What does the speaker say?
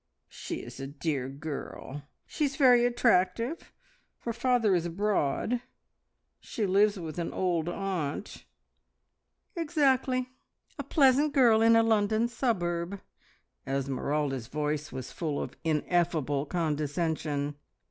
"She is a dear girl! She is very attractive! Her father is abroad. She lives with an old aunt." "Exactly! A pleasant girl in a London suburb!" Esmeralda's voice was full of ineffable condescension.